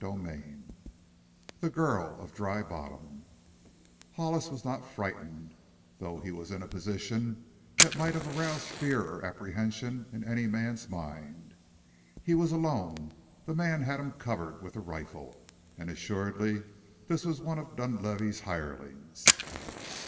CHAPTER V THE GIRL OF DRY BOTTOM Hollis was not frightened, though he was in a position that might have aroused fear or apprehension in any man's mind. He was alone, the man had him covered with the rifle, and assuredly this was one of Dunlavey's hirelings.